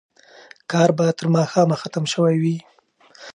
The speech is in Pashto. کار به تر ماښامه ختم شوی وي.